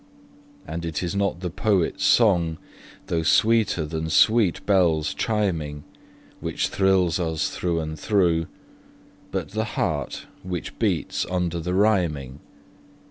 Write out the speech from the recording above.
And it is not the poet's song, though sweeter than sweet bells chiming, Which thrills us through and through, but the heart which beats under the rhyming.